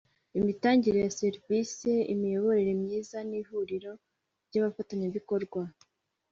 Imitangire ya serivisi imiyoborere myiza n ihuriro ry abafatanyabikorwa